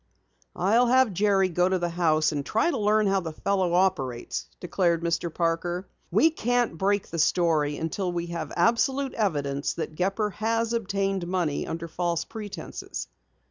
"I'll have Jerry go to the house and try to learn how the fellow operates," declared Mr. Parker. "We can't break the story until we have absolute evidence that Gepper has obtained money under false pretenses."